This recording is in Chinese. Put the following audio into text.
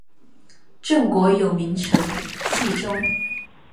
郑国有名臣祭仲。